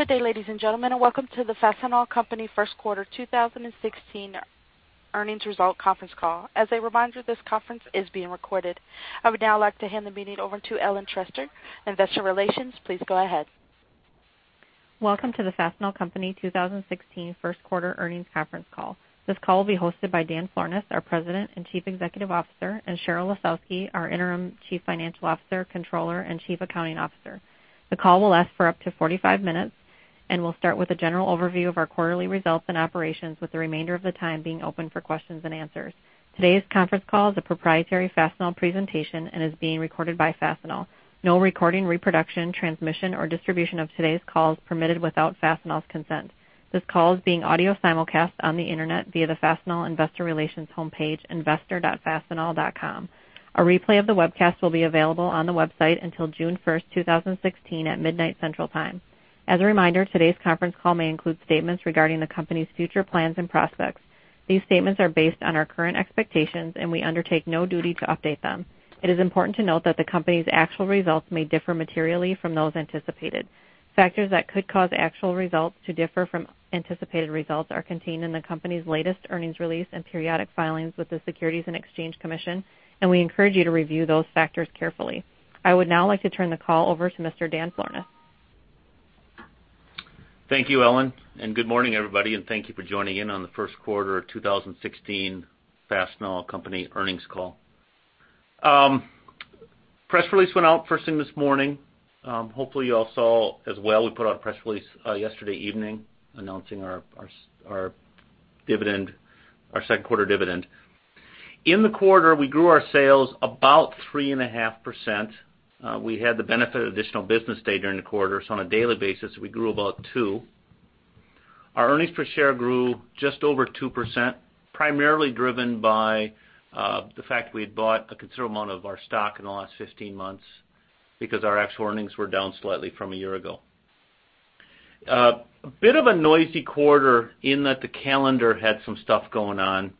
Good day, ladies and gentlemen, and welcome to the Fastenal Company First Quarter 2016 Earnings Result Conference Call. As a reminder, this conference is being recorded. I would now like to hand the meeting over to Ellen Trester, investor relations. Please go ahead. Welcome to the Fastenal Company 2016 First Quarter Earnings Conference Call. This call will be hosted by Dan Florness, our President and Chief Executive Officer, and Sheryl Lisowski, our interim Chief Financial Officer, Controller, and Chief Accounting Officer. The call will last for up to 45 minutes and will start with a general overview of our quarterly results and operations, with the remainder of the time being open for questions and answers. Today's conference call is a proprietary Fastenal presentation and is being recorded by Fastenal. No recording, reproduction, transmission, or distribution of today's call is permitted without Fastenal's consent. This call is being audio simulcast on the internet via the Fastenal Investor Relations homepage, investor.fastenal.com. A replay of the webcast will be available on the website until June 1st, 2016, at midnight Central Time. As a reminder, today's conference call may include statements regarding the company's future plans and prospects. These statements are based on our current expectations, and we undertake no duty to update them. It is important to note that the company's actual results may differ materially from those anticipated. Factors that could cause actual results to differ from anticipated results are contained in the company's latest earnings release and periodic filings with the Securities and Exchange Commission, and we encourage you to review those factors carefully. I would now like to turn the call over to Mr. Dan Florness. Thank you, Ellen, and good morning, everybody, and thank you for joining in on the first quarter of 2016 Fastenal Company earnings call. Press release went out first thing this morning. Hopefully, you all saw as well, we put out a press release yesterday evening announcing our second quarter dividend. In the quarter, we grew our sales about 3.5%. We had the benefit of additional business day during the quarter, so on a daily basis, we grew about two. Our earnings per share grew just over 2%, primarily driven by the fact we had bought a considerable amount of our stock in the last 15 months because our actual earnings were down slightly from a year ago. A bit of a noisy quarter in that the calendar had some stuff going on.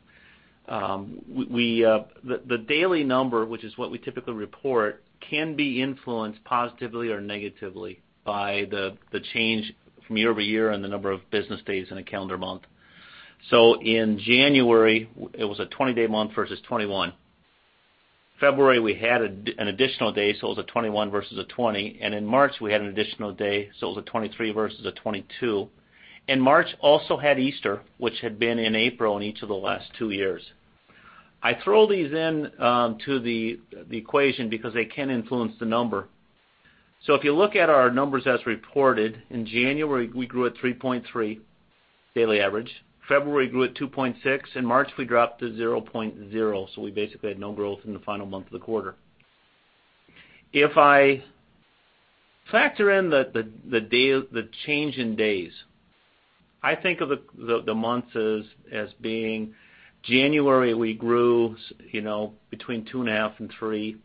The daily number, which is what we typically report, can be influenced positively or negatively by the change from year-over-year and the number of business days in a calendar month. In January, it was a 20-day month versus 21. February, we had an additional day, so it was a 21 versus a 20. In March, we had an additional day, so it was a 23 versus a 22. March also had Easter, which had been in April in each of the last two years. I throw these into the equation because they can influence the number. If you look at our numbers as reported, in January, we grew at 3.3 daily average. February, we grew at 2.6. In March, we dropped to 0.0, so we basically had no growth in the final month of the quarter. If I factor in the change in days, I think of the months as being January, we grew between two and a half and three.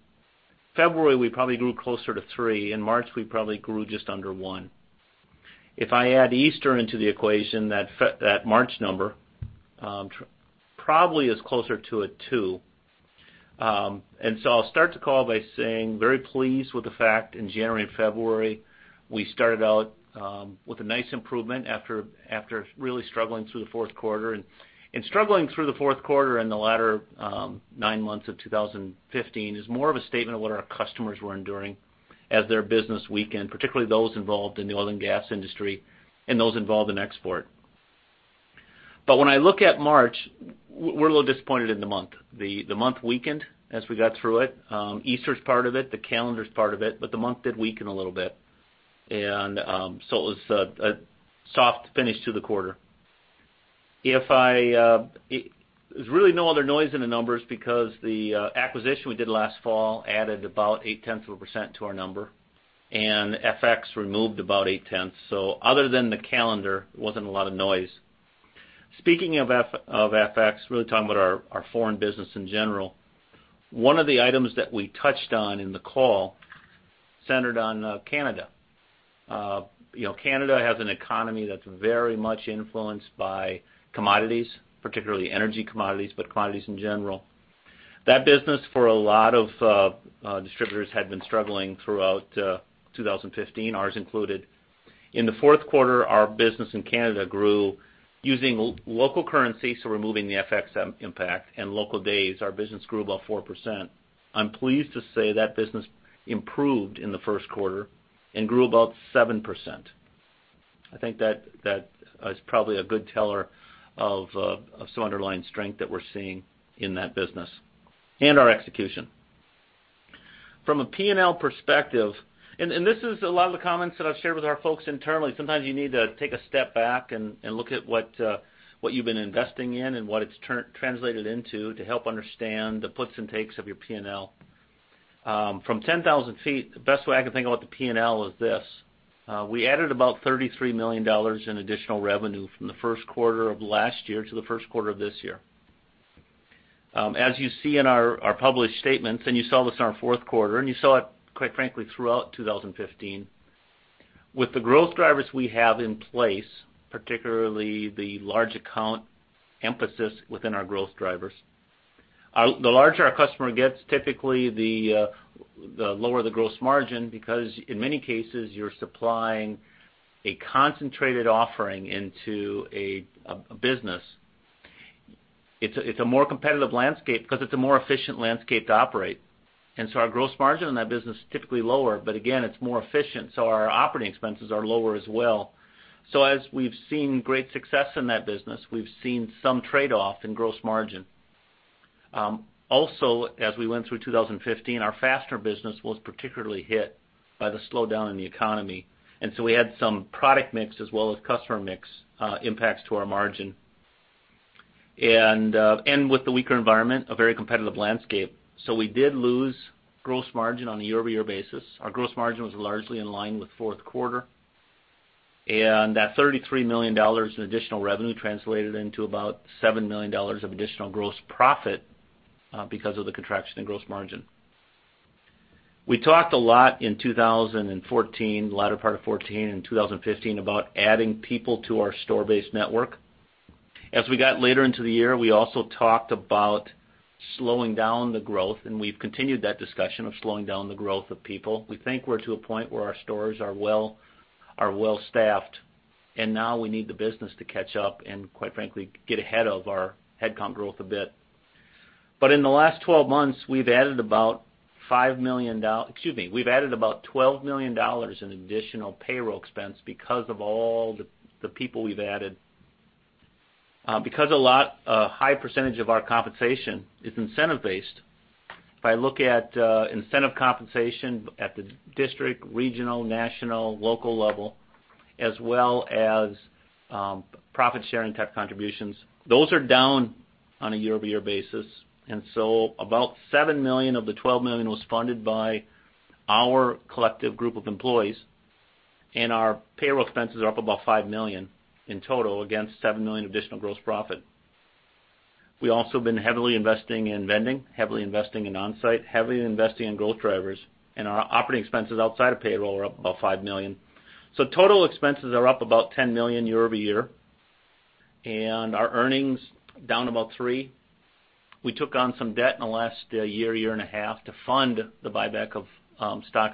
February, we probably grew closer to three. In March, we probably grew just under one. If I add Easter into the equation, that March number probably is closer to a two. I'll start the call by saying, very pleased with the fact in January and February, we started out with a nice improvement after really struggling through the fourth quarter. Struggling through the fourth quarter in the latter 9 months of 2015 is more of a statement of what our customers were enduring as their business weakened, particularly those involved in the oil and gas industry and those involved in export. When I look at March, we're a little disappointed in the month. The month weakened as we got through it. Easter's part of it, the calendar's part of it, the month did weaken a little bit. It was a soft finish to the quarter. There's really no other noise in the numbers because the acquisition we did last fall added about eight tenths of a % to our number, and FX removed about eight tenths. Other than the calendar, it wasn't a lot of noise. Speaking of FX, really talking about our foreign business in general, one of the items that we touched on in the call centered on Canada. Canada has an economy that's very much influenced by commodities, particularly energy commodities, but commodities in general. That business, for a lot of distributors, had been struggling throughout 2015, ours included. In the fourth quarter, our business in Canada grew using local currency, so removing the FX impact, and local days, our business grew about 4%. I'm pleased to say that business improved in the first quarter and grew about 7%. I think that is probably a good teller of some underlying strength that we're seeing in that business and our execution. From a P&L perspective, this is a lot of the comments that I've shared with our folks internally. Sometimes you need to take a step back and look at what you've been investing in and what it's translated into to help understand the puts and takes of your P&L. From 10,000 feet, the best way I can think about the P&L is this. We added about $33 million in additional revenue from the first quarter of last year to the first quarter of this year. You see in our published statements, you saw this in our fourth quarter, you saw it, quite frankly, throughout 2015, with the growth drivers we have in place, particularly the large account emphasis within our growth drivers. The larger our customer gets, typically the lower the gross margin, because in many cases, you're supplying a concentrated offering into a business. It's a more competitive landscape because it's a more efficient landscape to operate. Our gross margin on that business is typically lower, but again, it's more efficient, so our operating expenses are lower as well. As we've seen great success in that business, we've seen some trade-off in gross margin. As we went through 2015, our fastener business was particularly hit by the slowdown in the economy, we had some product mix as well as customer mix impacts to our margin. With the weaker environment, a very competitive landscape. We did lose gross margin on a year-over-year basis. Our gross margin was largely in line with fourth quarter. That $33 million in additional revenue translated into about $7 million of additional gross profit because of the contraction in gross margin. We talked a lot in 2014, the latter part of 2014 and 2015, about adding people to our store-based network. We got later into the year, we also talked about slowing down the growth, we've continued that discussion of slowing down the growth of people. We think we're to a point where our stores are well-staffed, now we need the business to catch up and, quite frankly, get ahead of our headcount growth a bit. In the last 12 months, we've added about $12 million in additional payroll expense because of all the people we've added. Because a high percentage of our compensation is incentive-based, if I look at incentive compensation at the district, regional, national, local level, as well as profit-sharing type contributions, those are down on a year-over-year basis. About $7 million of the $12 million was funded by our collective group of employees, our payroll expenses are up about $5 million in total against $7 million additional gross profit. We also have been heavily investing in vending, heavily investing in Onsite, heavily investing in growth drivers, our operating expenses outside of payroll are up about $5 million. Total expenses are up about $10 million year-over-year, our earnings down about $3 million. We took on some debt in the last year and a half, to fund the buyback of stock.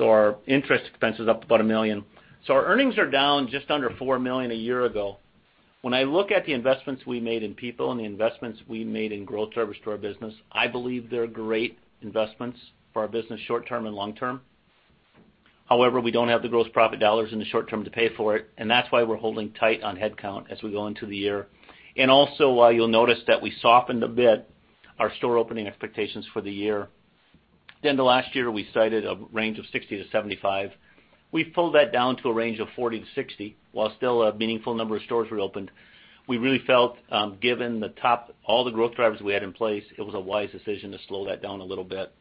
Our interest expense is up about $1 million. Our earnings are down just under $4 million a year ago. When I look at the investments we made in people and the investments we made in growth drivers to our business, I believe they're great investments for our business short-term and long-term. However, we don't have the gross profit dollars in the short term to pay for it, that's why we're holding tight on headcount as we go into the year. You'll notice that we softened a bit our store opening expectations for the year. At the end of last year, we cited a range of 60-75. We pulled that down to a range of 40-60. While still a meaningful number of stores were opened, we really felt, given all the growth drivers we had in place, it was a wise decision to slow that down a little bit.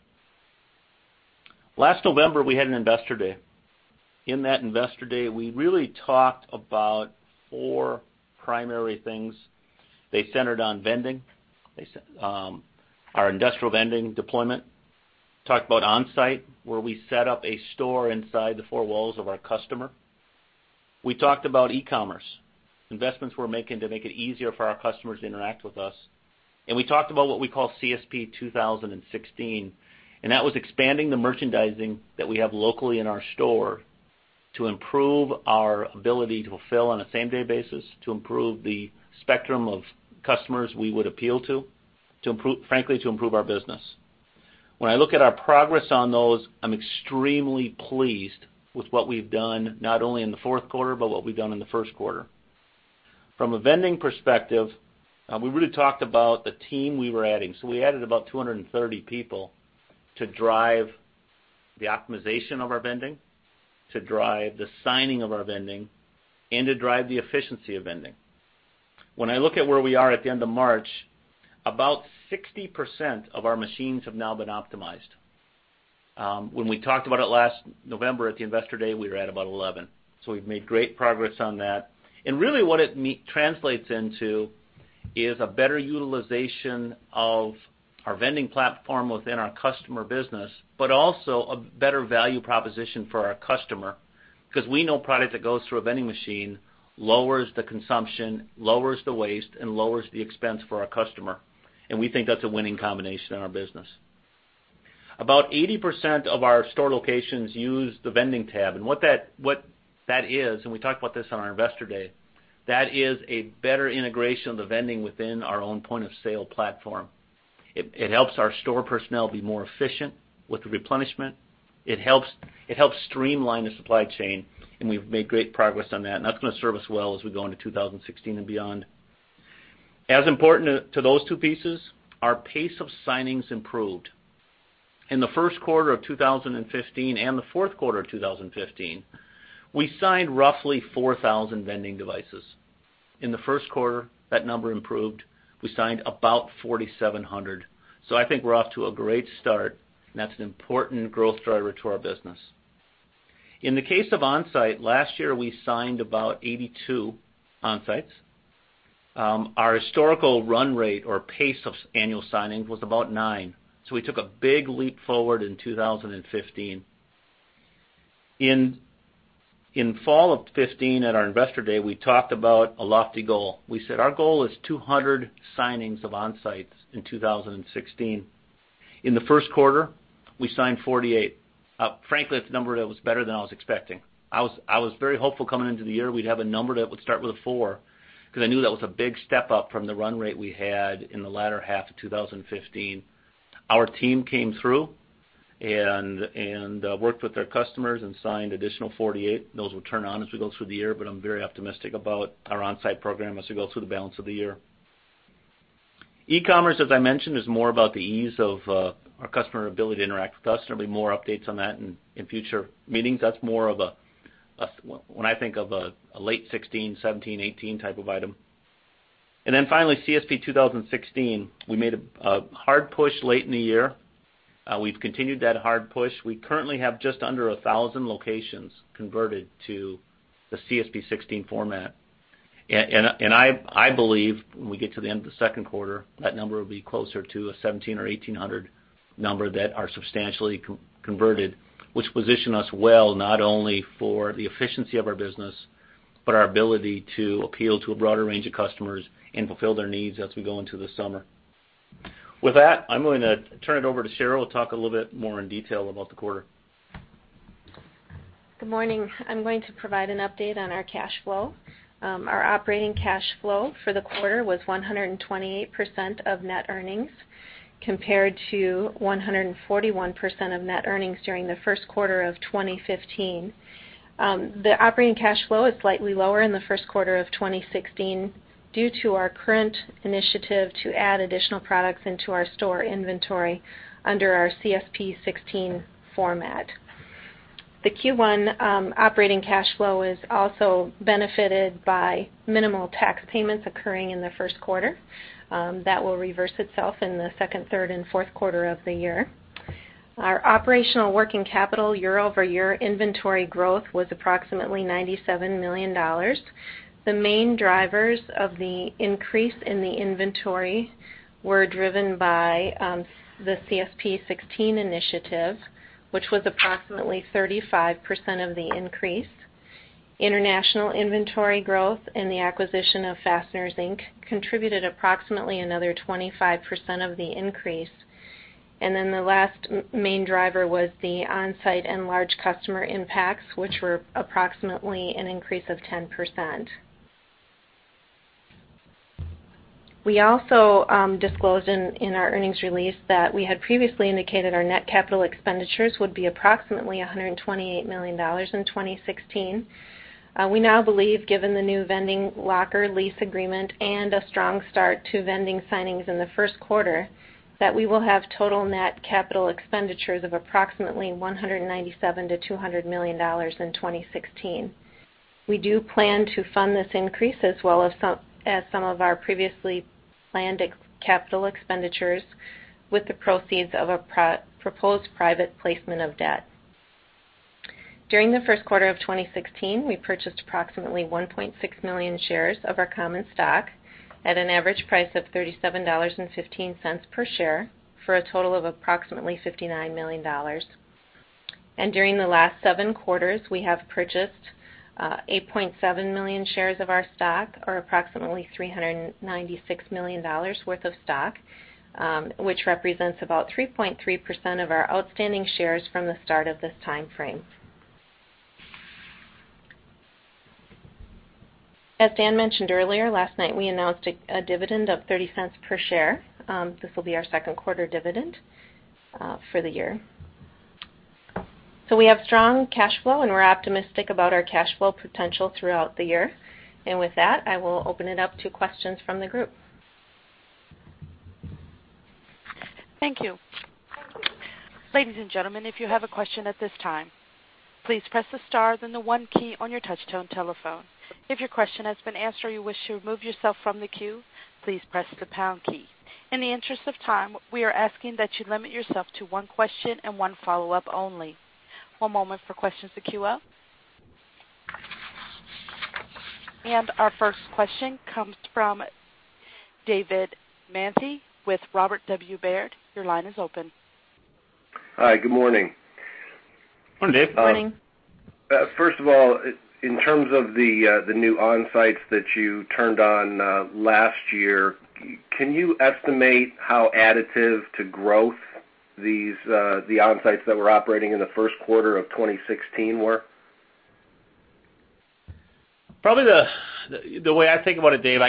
Last November, we had an investor day. In that investor day, we really talked about four primary things. They centered on vending, our industrial vending deployment. Talked about Onsite, where we set up a store inside the four walls of our customer. We talked about e-commerce, investments we're making to make it easier for our customers to interact with us. We talked about what we call CSP 2016, and that was expanding the merchandising that we have locally in our store to improve our ability to fulfill on a same-day basis, to improve the spectrum of customers we would appeal to, frankly, to improve our business. When I look at our progress on those, I'm extremely pleased with what we've done, not only in the fourth quarter, but what we've done in the first quarter. From a vending perspective, we really talked about the team we were adding. We added about 230 people to drive the optimization of our vending, to drive the signing of our vending, and to drive the efficiency of vending. When I look at where we are at the end of March, about 60% of our machines have now been optimized. When we talked about it last November at the investor day, we were at about 11. We've made great progress on that. Really what it translates into is a better utilization of our vending platform within our customer business, but also a better value proposition for our customer, because we know product that goes through a vending machine lowers the consumption, lowers the waste, and lowers the expense for our customer. About 80% of our store locations use the Vending Tab, and what that is, and we talked about this on our investor day, that is a better integration of the vending within our own point-of-sale platform. It helps our store personnel be more efficient with the replenishment. It helps streamline the supply chain, and we've made great progress on that, and that's going to serve us well as we go into 2016 and beyond. As important to those two pieces, our pace of signings improved. In the first quarter of 2015 and the fourth quarter of 2015, we signed roughly 4,000 vending devices. In the first quarter, that number improved. We signed about 4,700. I think we're off to a great start, and that's an important growth driver to our business. In the case of Onsite, last year we signed about 82 Onsites. Our historical run rate or pace of annual signings was about nine. We took a big leap forward in 2015. In fall of 2015, at our investor day, we talked about a lofty goal. We said our goal is 200 signings of Onsites in 2016. In the first quarter, we signed 48. Frankly, that's a number that was better than I was expecting. I was very hopeful coming into the year we'd have a number that would start with a four, because I knew that was a big step up from the run rate we had in the latter half of 2015. Our team came through and worked with our customers and signed an additional 48. Those will turn on as we go through the year, but I'm very optimistic about our Onsite program as we go through the balance of the year. E-commerce, as I mentioned, is more about the ease of our customer ability to interact with us. There'll be more updates on that in future meetings. That's more of a, when I think of a late 2016, 2017, 2018 type of item. Finally, CSP 2016, we made a hard push late in the year. We've continued that hard push. We currently have just under 1,000 locations converted to the CSP 16 format, I believe when we get to the end of the second quarter, that number will be closer to a 1,700 or 1,800 number that are substantially converted, which position us well, not only for the efficiency of our business, but our ability to appeal to a broader range of customers and fulfill their needs as we go into the summer. With that, I'm going to turn it over to Sheryl to talk a little bit more in detail about the quarter. Good morning. I'm going to provide an update on our cash flow. Our operating cash flow for the quarter was 128% of net earnings, compared to 141% of net earnings during the first quarter of 2015. The operating cash flow is slightly lower in the first quarter of 2016 due to our current initiative to add additional products into our store inventory under our CSP 16 format. The Q1 operating cash flow is also benefited by minimal tax payments occurring in the first quarter. That will reverse itself in the second, third, and fourth quarter of the year. Our operational working capital year-over-year inventory growth was approximately $97 million. The main drivers of the increase in the inventory were driven by the CSP 16 initiative, which was approximately 35% of the increase. International inventory growth and the acquisition of Fasteners, Inc. contributed approximately another 25% of the increase. The last main driver was the Onsite and large customer impacts, which were approximately an increase of 10%. We also disclosed in our earnings release that we had previously indicated our net capital expenditures would be approximately $128 million in 2016. We now believe, given the new vending locker lease agreement and a strong start to vending signings in the first quarter, that we will have total net capital expenditures of approximately $197 million-$200 million in 2016. We do plan to fund this increase, as well as some of our previously planned capital expenditures, with the proceeds of a proposed private placement of debt. During the first quarter of 2016, we purchased approximately 1.6 million shares of our common stock at an average price of $37.15 per share, for a total of approximately $59 million. During the last seven quarters, we have purchased 8.7 million shares of our stock or approximately $396 million worth of stock, which represents about 3.3% of our outstanding shares from the start of this timeframe. As Dan mentioned earlier, last night we announced a dividend of $0.30 per share. This will be our second quarter dividend for the year. We have strong cash flow, and we're optimistic about our cash flow potential throughout the year. With that, I will open it up to questions from the group. Thank you. Ladies and gentlemen, if you have a question at this time, please press the star then the one key on your touchtone telephone. If your question has been answered or you wish to remove yourself from the queue, please press the pound key. In the interest of time, we are asking that you limit yourself to one question and one follow-up only. One moment for questions to queue up. Our first question comes from David Manthey with Robert W. Baird. Your line is open. Hi, good morning. Morning, Dave. Morning. First of all, in terms of the new Onsites that you turned on last year, can you estimate how additive to growth the Onsites that were operating in the First Quarter of 2016 were? Probably the way I think about it, Dave,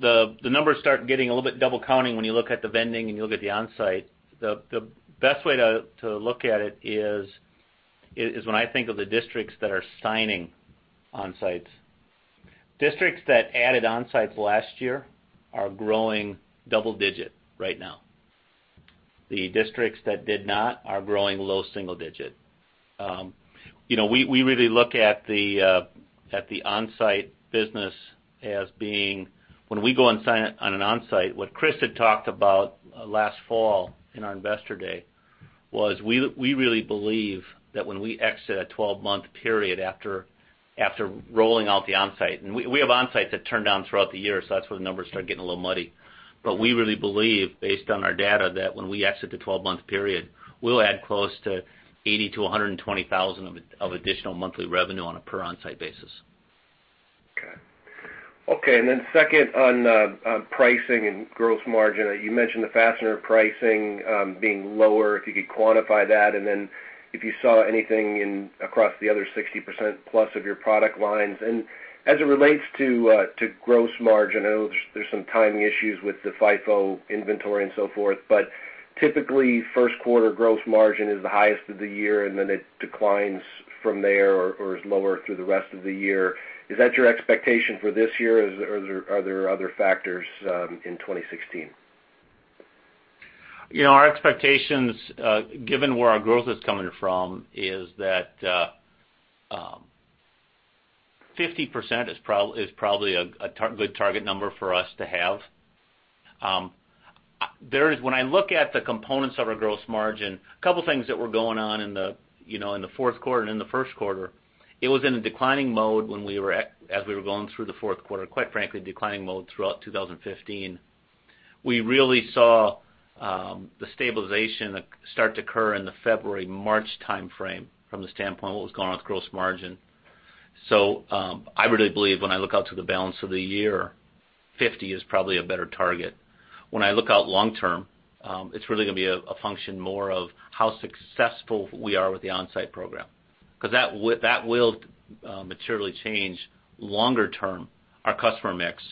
the numbers start getting a little bit double-counting when you look at the vending and you look at the Onsite. The best way to look at it is when I think of the districts that are signing Onsites. Districts that added Onsites last year are growing double-digit right now. The districts that did not are growing low single-digit. We really look at the Onsite business as being, when we go and sign on an Onsite, what Chris had talked about last fall in our investor day, was we really believe that when we exit a 12-month period after rolling out the Onsite. We have Onsites that turned down throughout the year, so that's where the numbers start getting a little muddy. We really believe, based on our data, that when we exit the 12-month period, we'll add close to $80,000-$120,000 of additional monthly revenue on a per Onsite basis. Okay. Second on pricing and gross margin, you mentioned the fastener pricing, being lower, if you could quantify that, and then if you saw anything across the other 60%-plus of your product lines. As it relates to gross margin, I know there's some timing issues with the FIFO inventory and so forth, but typically, First Quarter gross margin is the highest of the year, and then it declines from there or is lower through the rest of the year. Is that your expectation for this year? Are there other factors in 2016? Our expectations, given where our growth is coming from, is that 50% is probably a good target number for us to have. When I look at the components of our gross margin, a couple of things that were going on in the fourth quarter and in the first quarter, it was in a declining mode as we were going through the fourth quarter, quite frankly, declining mode throughout 2015. We really saw the stabilization start to occur in the February, March timeframe from the standpoint of what was going on with gross margin. I really believe when I look out to the balance of the year, 50% is probably a better target. When I look out long term, it's really going to be a function more of how successful we are with the Onsite program, because that will materially change, longer term, our customer mix.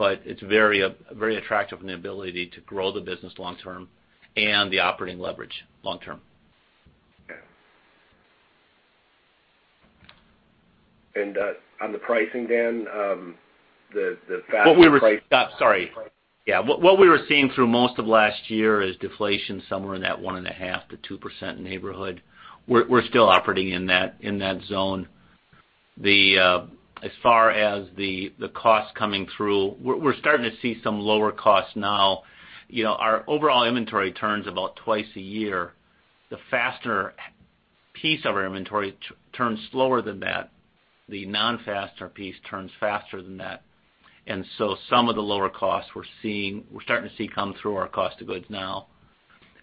It's very attractive in the ability to grow the business long term and the operating leverage long term. Okay. On the pricing then, the fastener price- Sorry. Yeah. What we were seeing through most of last year is deflation somewhere in that 1.5% to 2% neighborhood. We're still operating in that zone. As far as the cost coming through, we're starting to see some lower costs now. Our overall inventory turns about twice a year. The fastener piece of our inventory turns slower than that. The non-fastener piece turns faster than that. Some of the lower costs we're starting to see come through our cost of goods now.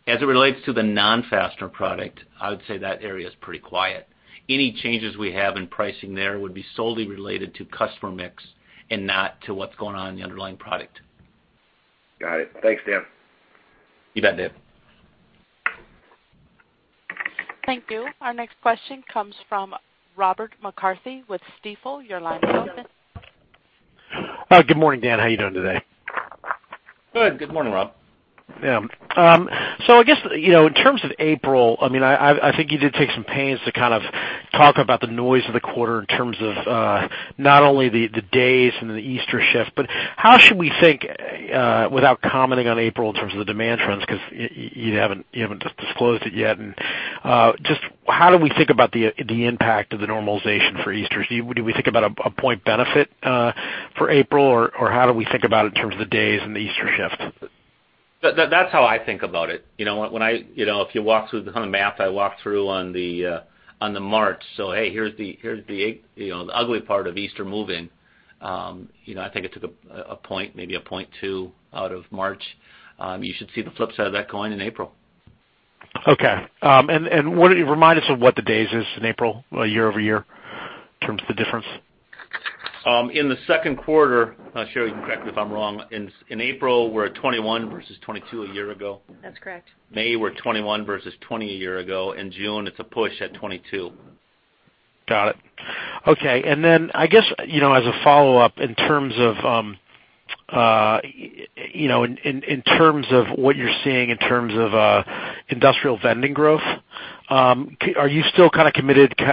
As it relates to the non-fastener product, I would say that area is pretty quiet. Any changes we have in pricing there would be solely related to customer mix and not to what's going on in the underlying product. Got it. Thanks, Dan. You bet, Dave. Thank you. Our next question comes from Robert McCarthy with Stifel. Your line is open. Good morning, Dan. How are you doing today? Good. Good morning, Rob. Yeah. I guess, in terms of April, I think you did take some pains to kind of talk about the noise of the quarter in terms of not only the days and the Easter shift, how should we think, without commenting on April in terms of the demand trends, you haven't disclosed it yet, just how do we think about the impact of the normalization for Easter? Do we think about a point benefit, for April, or how do we think about it in terms of the days and the Easter shift? That's how I think about it. If you walk through the kind of math I walked through on the March, hey, here's the ugly part of Easter moving. I think it took a point, maybe a point two out of March. You should see the flip side of that coin in April. Okay. Would you remind us of what the days is in April, year-over-year, in terms of the difference? In the second quarter, Sheryl, you can correct me if I'm wrong, in April, we're at 21 versus 22 a year ago. That's correct. May we're 21 versus 20 a year ago. In June, it's a push at 22. Got it. Okay. Then I guess, as a follow-up in terms of what you're seeing in terms of industrial vending growth, are you still kind of committed to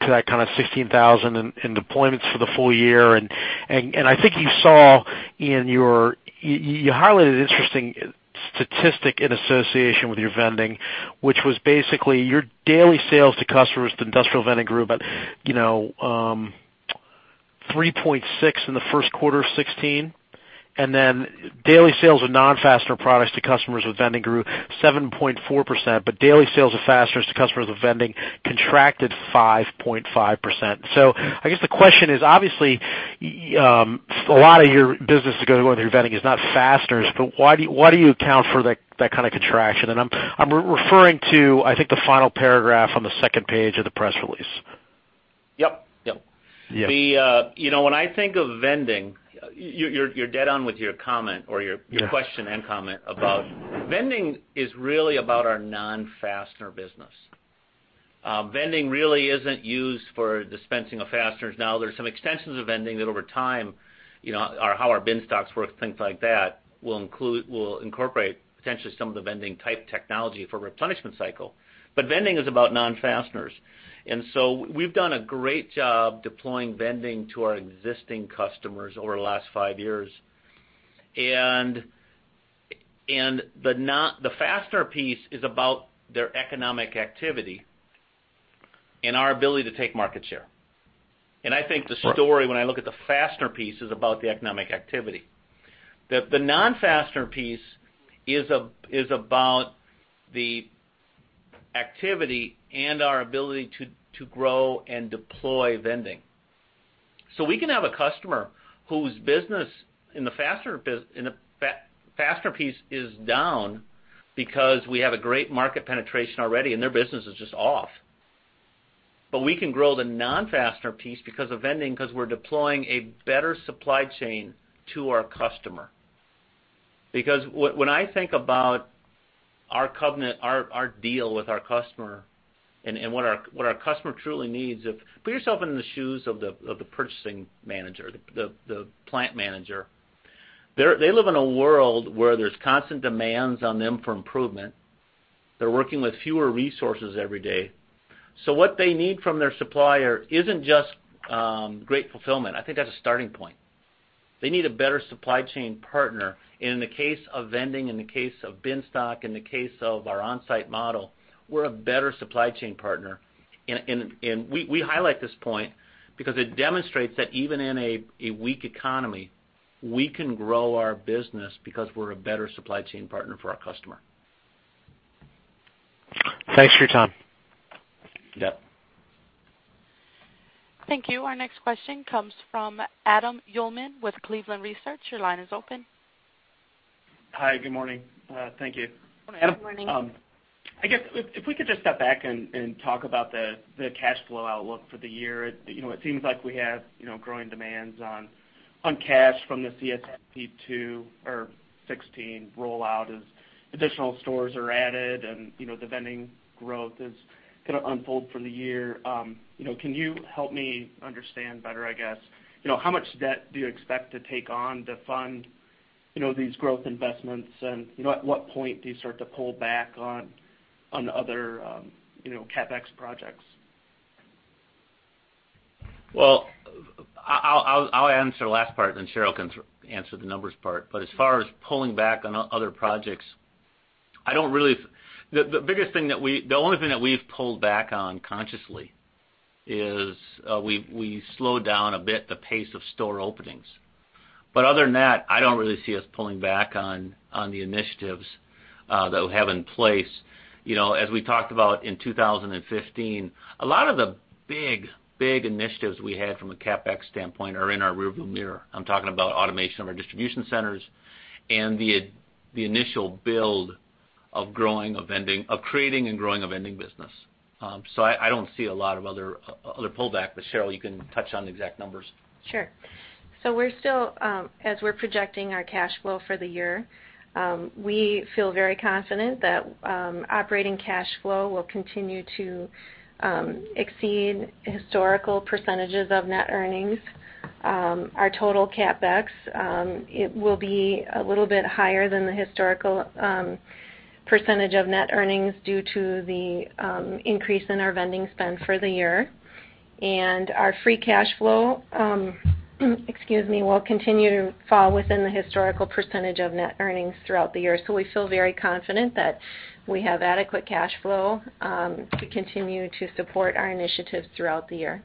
that kind of 16,000 in deployments for the full year? I think you highlighted an interesting statistic in association with your vending, which was basically your daily sales to customers to industrial vending grew about 3.6% in Q1 2016, and then daily sales of non-Fastener products to customers with vending grew 7.4%, but daily sales of Fasteners to customers with vending contracted 5.5%. I guess the question is, obviously, a lot of your business is going to go through vending is not Fasteners, but why do you account for that kind of contraction? I'm referring to, I think, the final paragraph on the second page of the press release. Yep. Yeah. When I think of vending, you're dead on with your comment, or your question and comment about vending is really about our non-fastener business. Vending really isn't used for dispensing of fasteners. Now, there's some extensions of vending that over time, how our Bin Stocks work, things like that, will incorporate potentially some of the vending-type technology for replenishment cycle. Vending is about non-fasteners. We've done a great job deploying vending to our existing customers over the last five years. The fastener piece is about their economic activity and our ability to take market share. I think the story when I look at the fastener piece is about the economic activity. The non-fastener piece is about the activity and our ability to grow and deploy vending. We can have a customer whose business in the fastener piece is down because we have a great market penetration already, and their business is just off. We can grow the non-fastener piece because of vending, because we're deploying a better supply chain to our customer. When I think about our covenant, our deal with our customer, and what our customer truly needs, Put yourself in the shoes of the purchasing manager, the plant manager. They live in a world where there's constant demands on them for improvement. They're working with fewer resources every day. What they need from their supplier isn't just great fulfillment. I think that's a starting point. They need a better supply chain partner. In the case of vending, in the case of Bin Stock, in the case of our Onsite model, we're a better supply chain partner. We highlight this point because it demonstrates that even in a weak economy, we can grow our business because we're a better supply chain partner for our customer. Thanks for your time. Yep. Thank you. Our next question comes from Adam Uhlman with Cleveland Research. Your line is open. Hi. Good morning. Thank you. Good morning. Adam. Good morning. I guess if we could just step back and talk about the cash flow outlook for the year. It seems like we have growing demands on cash from the CSP 16 or '16 rollout as additional stores are added and the vending growth is going to unfold for the year. Can you help me understand better, I guess, how much debt do you expect to take on to fund these growth investments? At what point do you start to pull back on other CapEx projects? Well, I'll answer the last part, Sheryl can answer the numbers part. As far as pulling back on other projects, the only thing that we've pulled back on consciously is we slowed down a bit the pace of store openings. Other than that, I don't really see us pulling back on the initiatives that we have in place. As we talked about in 2015, a lot of the big initiatives we had from a CapEx standpoint are in our rearview mirror. I'm talking about automation of our distribution centers and the initial build of creating and growing a vending business. I don't see a lot of other pullback, Sheryl, you can touch on the exact numbers. Sure. We're still, as we're projecting our cash flow for the year, we feel very confident that operating cash flow will continue to exceed historical percentages of net earnings. Our total CapEx, it will be a little bit higher than the historical percentage of net earnings due to the increase in our vending spend for the year. Our free cash flow, excuse me, will continue to fall within the historical percentage of net earnings throughout the year. We feel very confident that we have adequate cash flow to continue to support our initiatives throughout the year.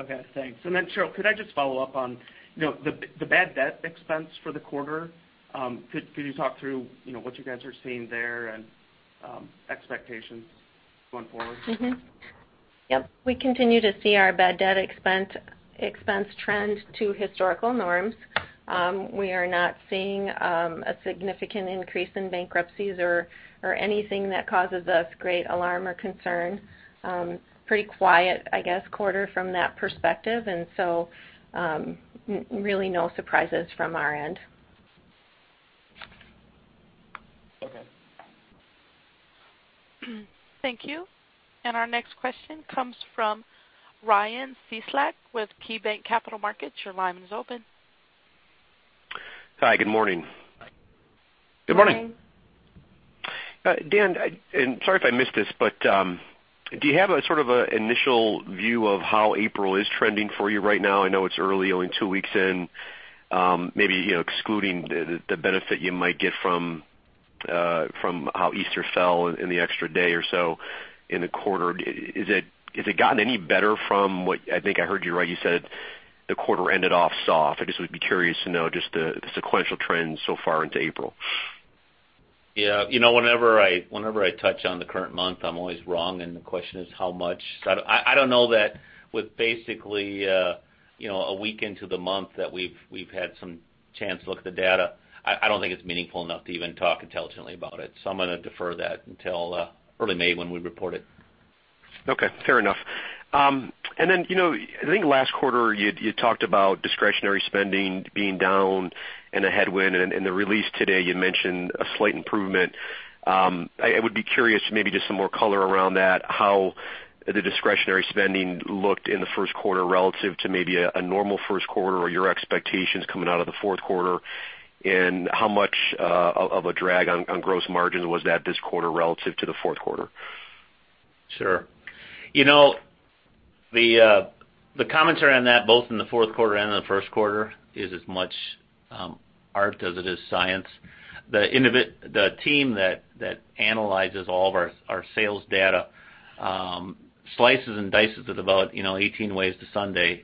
Okay, thanks. Sheryl, could I just follow up on the bad debt expense for the quarter? Could you talk through what you guys are seeing there and expectations going forward? Mm-hmm. Yep. We continue to see our bad debt expense trend to historical norms. We are not seeing a significant increase in bankruptcies or anything that causes us great alarm or concern. Pretty quiet, I guess, quarter from that perspective, and so really no surprises from our end. Okay. Thank you. Our next question comes from Ryan Cieslak with KeyBanc Capital Markets. Your line is open. Hi, good morning. Good morning. Good morning. Dan, sorry if I missed this, do you have a sort of initial view of how April is trending for you right now? I know it's early, only two weeks in. Maybe excluding the benefit you might get from how Easter fell and the extra day or so in the quarter. Has it gotten any better from what, I think I heard you right, you said the quarter ended off soft. I just would be curious to know just the sequential trends so far into April. Yeah. Whenever I touch on the current month, I'm always wrong and the question is how much. I don't know that with basically a week into the month that we've had some chance to look at the data, I don't think it's meaningful enough to even talk intelligently about it, so I'm gonna defer that until early May when we report it. Okay, fair enough. I think last quarter, you talked about discretionary spending being down and a headwind, and in the release today you mentioned a slight improvement. I would be curious, maybe just some more color around that, how the discretionary spending looked in the first quarter relative to maybe a normal first quarter or your expectations coming out of the fourth quarter, and how much of a drag on gross margin was that this quarter relative to the fourth quarter? Sure. The commentary on that, both in the fourth quarter and in the first quarter, is as much art as it is science. The team that analyzes all of our sales data, slices and dices it about 18 ways to Sunday.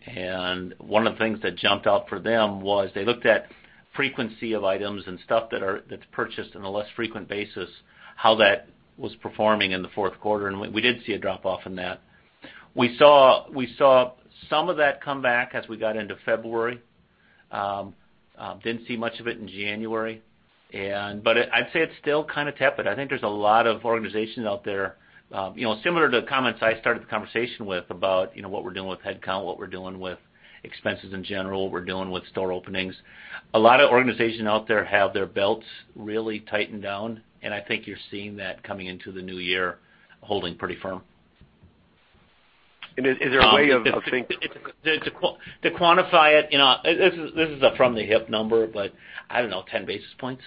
One of the things that jumped out for them was they looked at frequency of items and stuff that's purchased on a less frequent basis, how that was performing in the fourth quarter, we did see a drop-off in that. We saw some of that come back as we got into February. Didn't see much of it in January. I'd say it's still kind of tepid. I think there's a lot of organizations out there, similar to the comments I started the conversation with about what we're doing with headcount, what we're doing with expenses in general, what we're doing with store openings. A lot of organizations out there have their belts really tightened down, I think you're seeing that coming into the new year, holding pretty firm. Is there a way of To quantify it, this is a from the hip number, I don't know, 10 basis points.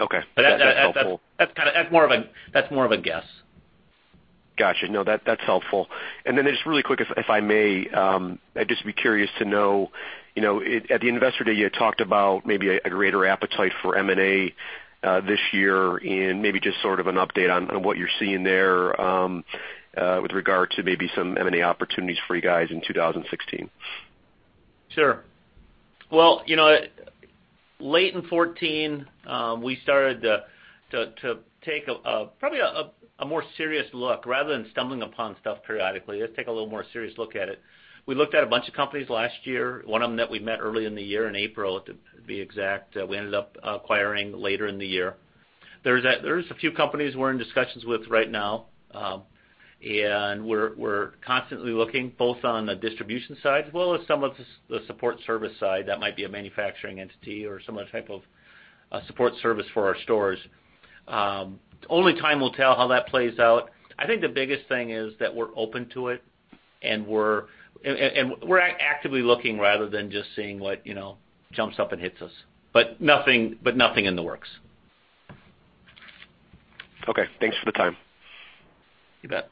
Okay. That's helpful. That's more of a guess. Got you. No, that's helpful. Then just really quick, if I may, I'd just be curious to know, at the Investor Day, you had talked about maybe a greater appetite for M&A this year and maybe just sort of an update on what you're seeing there, with regard to maybe some M&A opportunities for you guys in 2016. Sure. Late in 2014, we started to take probably a more serious look, rather than stumbling upon stuff periodically, just take a little more serious look at it. We looked at a bunch of companies last year. One of them that we met early in the year, in April, to be exact, we ended up acquiring later in the year. There's a few companies we're in discussions with right now. We're constantly looking both on the distribution side as well as some of the support service side, that might be a manufacturing entity or some type of support service for our stores. Only time will tell how that plays out. I think the biggest thing is that we're open to it, and we're actively looking rather than just seeing what jumps up and hits us. Nothing in the works. Okay. Thanks for the time. You bet.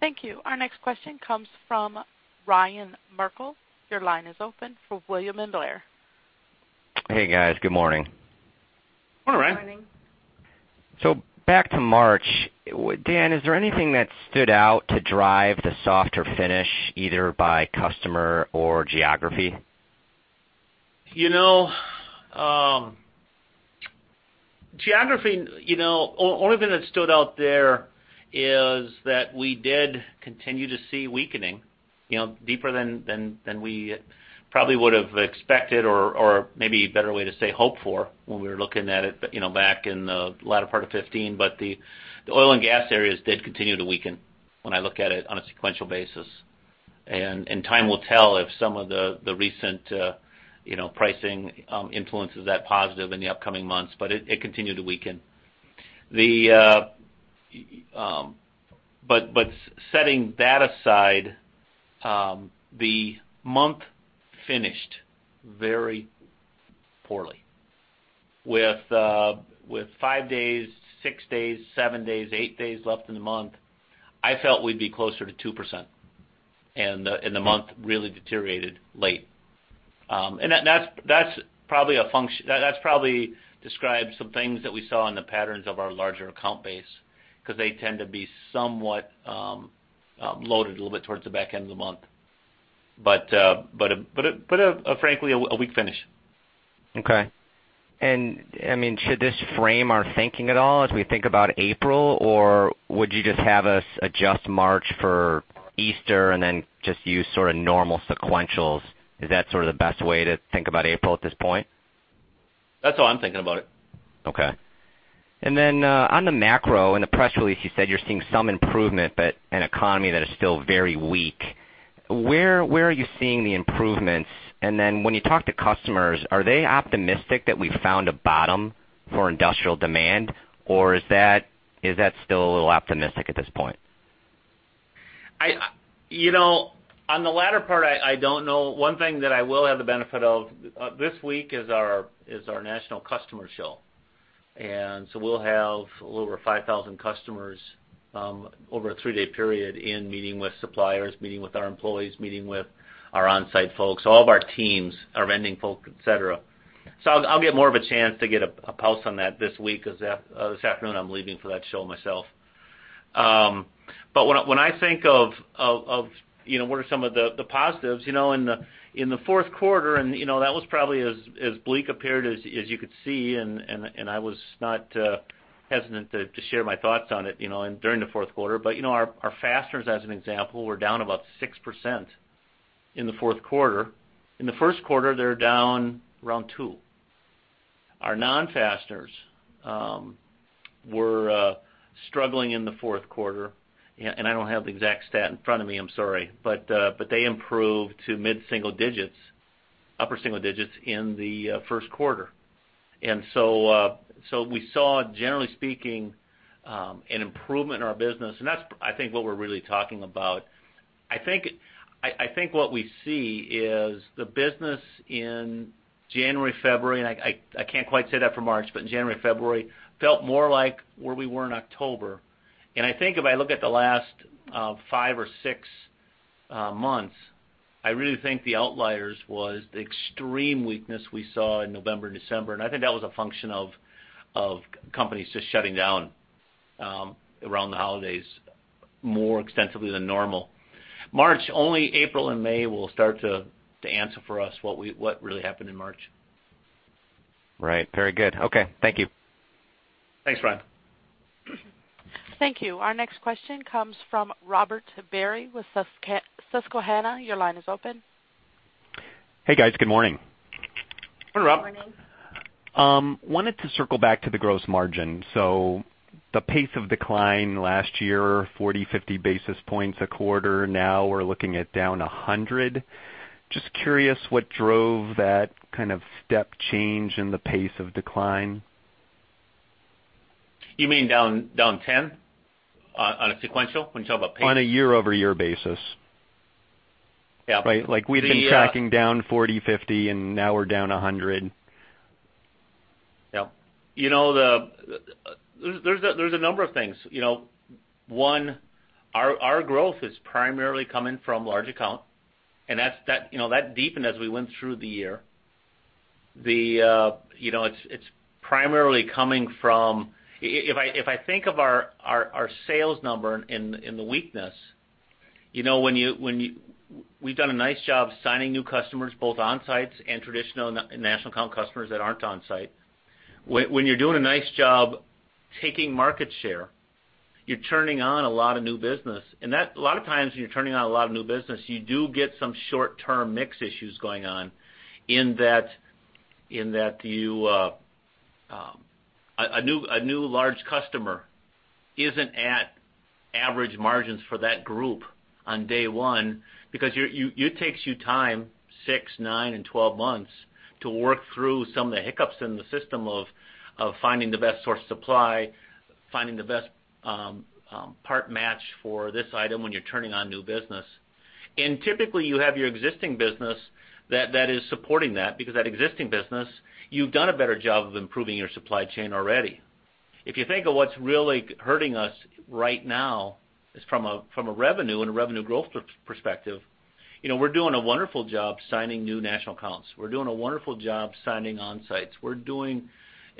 Thank you. Our next question comes from Ryan Merkel. Your line is open for William Blair. Hey, guys. Good morning. Morning, Ryan. Morning. Back to March, Dan, is there anything that stood out to drive the softer finish, either by customer or geography? Geography, only thing that stood out there is that we did continue to see weakening, deeper than we probably would've expected or maybe a better way to say, hope for, when we were looking at it back in the latter part of 2015. The oil and gas areas did continue to weaken when I look at it on a sequential basis. Time will tell if some of the recent pricing influences that positive in the upcoming months, but it continued to weaken. Setting that aside, the month finished very poorly. With five days, six days, seven days, eight days left in the month, I felt we'd be closer to 2%, and the month really deteriorated late. That probably describes some things that we saw in the patterns of our larger account base, because they tend to be somewhat loaded a little bit towards the back end of the month. Frankly, a weak finish. Okay. Should this frame our thinking at all as we think about April, or would you just have us adjust March for Easter and then just use sort of normal sequentials? Is that sort of the best way to think about April at this point? That's how I'm thinking about it. Okay. Then, on the macro, in the press release, you said you're seeing some improvement, but an economy that is still very weak. Where are you seeing the improvements? When you talk to customers, are they optimistic that we've found a bottom for industrial demand, or is that still a little optimistic at this point? On the latter part, I don't know. One thing that I will have the benefit of, this week is our national customer show. We'll have a little over 5,000 customers, over a three-day period in meeting with suppliers, meeting with our employees, meeting with our Onsite folks, all of our teams, our vending folk, et cetera. I'll get more of a chance to get a pulse on that this week, because this afternoon, I'm leaving for that show myself. When I think of what are some of the positives, in the fourth quarter, that was probably as bleak a period as you could see, I was not hesitant to share my thoughts on it during the fourth quarter. Our fasteners, as an example, were down about 6% in the fourth quarter. In the first quarter, they're down around two. Our non-fasteners were struggling in the fourth quarter, and I don't have the exact stat in front of me, I'm sorry, but they improved to mid-single digits, upper single digits in the first quarter. We saw, generally speaking, an improvement in our business, and that's, I think, what we're really talking about. I think what we see is the business in January, February, and I can't quite say that for March, but in January, February felt more like where we were in October. I think if I look at the last five or six months, I really think the outliers was the extreme weakness we saw in November and December, and I think that was a function of companies just shutting down around the holidays more extensively than normal. March, only April and May will start to answer for us what really happened in March. Right. Very good. Okay. Thank you. Thanks, Ryan. Thank you. Our next question comes from Robert Berry with Susquehanna. Your line is open. Hey, guys. Good morning. Good morning, Rob. Morning. Wanted to circle back to the gross margin. The pace of decline last year, 40, 50 basis points a quarter. Now we're looking at down 100. Just curious what drove that kind of step change in the pace of decline. You mean down 10 on a sequential when you talk about pace? On a year-over-year basis. Yeah. Right. Like we've been tracking down 40, 50, and now we're down 100. Yep. There's a number of things. One, our growth is primarily coming from large account, and that deepened as we went through the year. It's primarily coming from If I think of our sales number in the weakness, we've done a nice job signing new customers, both Onsites and traditional national account customers that aren't Onsite. When you're doing a nice job taking market share, you're turning on a lot of new business, and a lot of times when you're turning on a lot of new business, you do get some short-term mix issues going on in that a new large customer isn't at average margins for that group on day one because it takes you time, six, nine and 12 months to work through some of the hiccups in the system of finding the best source supply, finding the best part match for this item when you're turning on new business. Typically, you have your existing business that is supporting that because that existing business, you've done a better job of improving your supply chain already. If you think of what's really hurting us right now is from a revenue and a revenue growth perspective, we're doing a wonderful job signing new national accounts. We're doing a wonderful job signing Onsite. We're doing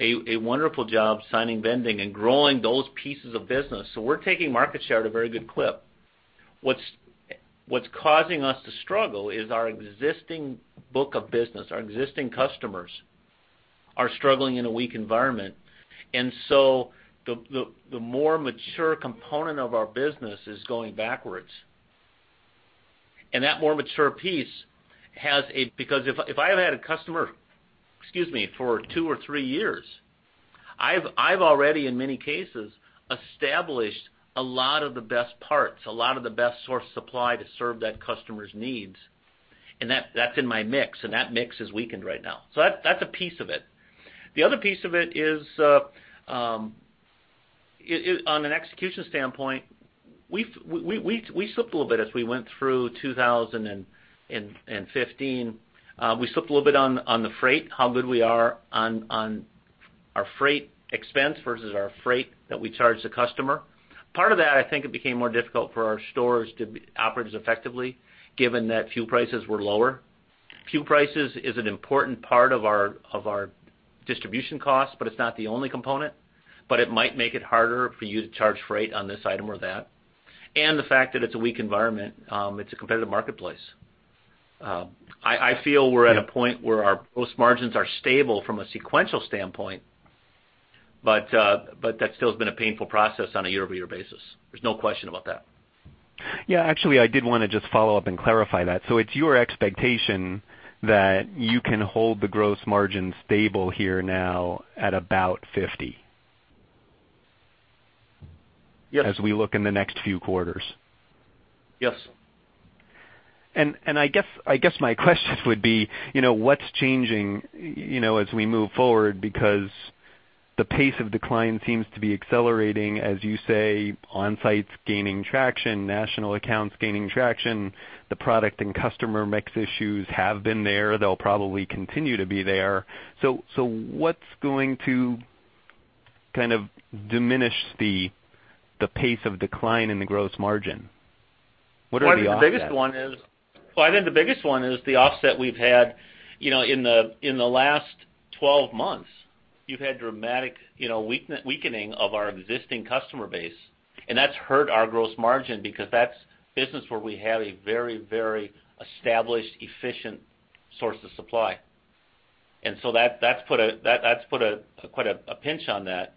a wonderful job signing vending and growing those pieces of business. We're taking market share at a very good clip. What's causing us to struggle is our existing book of business. Our existing customers are struggling in a weak environment, the more mature component of our business is going backwards. That more mature piece because if I have had a customer, excuse me, for two or three years, I've already, in many cases, established a lot of the best parts, a lot of the best source supply to serve that customer's needs. That's in my mix, and that mix is weakened right now. That's a piece of it. The other piece of it is, on an execution standpoint, we slipped a little bit as we went through 2015. We slipped a little bit on the freight, how good we are on our freight expense versus our freight that we charge the customer. Part of that, I think it became more difficult for our stores to operate as effectively given that fuel prices were lower. Fuel prices is an important part of our distribution cost, it's not the only component. It might make it harder for you to charge freight on this item or that. The fact that it's a weak environment, it's a competitive marketplace. I feel we're at a point where our gross margins are stable from a sequential standpoint, but that still has been a painful process on a year-over-year basis. There's no question about that. Yeah, actually, I did want to just follow up and clarify that. It's your expectation that you can hold the gross margin stable here now at about 50%? Yes. As we look in the next few quarters. Yes. I guess my question would be what's changing as we move forward? The pace of decline seems to be accelerating, as you say, Onsite gaining traction, national accounts gaining traction. The product and customer mix issues have been there. They'll probably continue to be there. What's going to kind of diminish the pace of decline in the gross margin? What are the offsets? Well, I think the biggest one is the offset we've had in the last 12 months. You've had dramatic weakening of our existing customer base, that's hurt our gross margin because that's business where we have a very established, efficient source of supply. That's put quite a pinch on that.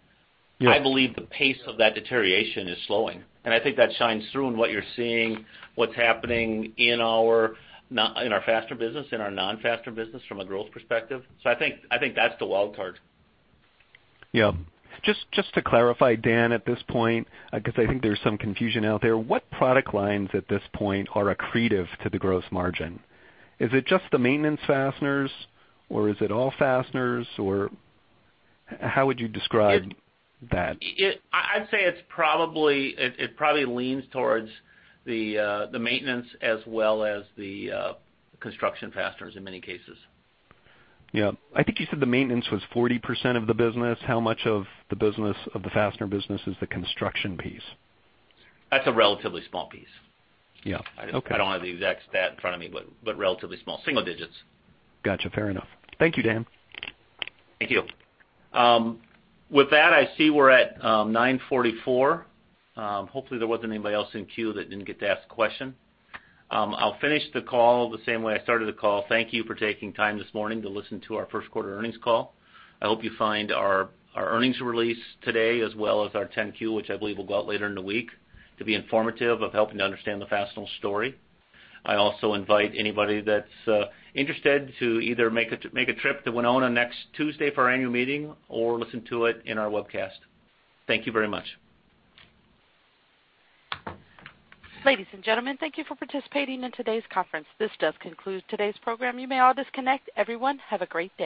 Yeah. I believe the pace of that deterioration is slowing, I think that shines through in what you're seeing, what's happening in our fastener business, in our non-fastener business from a growth perspective. I think that's the wild card. Yeah. Just to clarify, Dan, at this point, I think there's some confusion out there. What product lines at this point are accretive to the gross margin? Is it just the maintenance fasteners or is it all fasteners, or how would you describe that? I'd say it probably leans towards the maintenance as well as the construction fasteners in many cases. Yeah. I think you said the maintenance was 40% of the business. How much of the business, of the fastener business is the construction piece? That's a relatively small piece. Yeah. Okay. I don't have the exact stat in front of me, but relatively small. Single digits. Got you. Fair enough. Thank you, Dan. Thank you. With that, I see we're at 9:44 A.M. Hopefully, there wasn't anybody else in queue that didn't get to ask a question. I'll finish the call the same way I started the call. Thank you for taking time this morning to listen to our first quarter earnings call. I hope you find our earnings release today as well as our Form 10-Q, which I believe will go out later in the week, to be informative of helping to understand the Fastenal story. I also invite anybody that's interested to either make a trip to Winona next Tuesday for our annual meeting or listen to it in our webcast. Thank you very much. Ladies and gentlemen, thank you for participating in today's conference. This does conclude today's program. You may all disconnect. Everyone, have a great day.